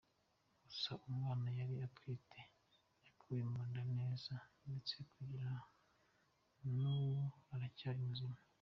Gusa, umwana yari atwite yakuwe mu nda neza ndetse kugera n’ubu aracyari muzima.